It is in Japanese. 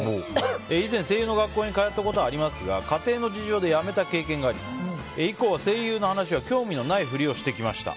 以前、声優の学校に通っていたことがありますが家庭の事情で辞めた経験があり以降は声優の話は興味のないふりをしてきました。